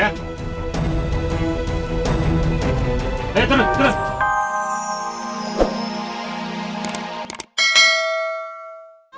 eh tenang tenang